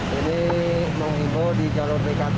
ini menghimpul di jalur bkt